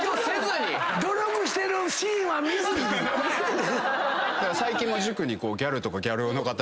努力してるシーンは見ずに⁉赤荻先生。